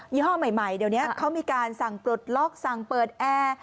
ี่ห้อใหม่เดี๋ยวนี้เขามีการสั่งปลดล็อกสั่งเปิดแอร์